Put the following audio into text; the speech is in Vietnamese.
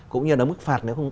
cũng như là mức phạt